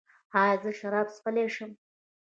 ایا زه شراب څښلی شم؟